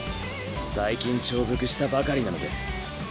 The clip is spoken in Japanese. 最近調伏したばかりなので。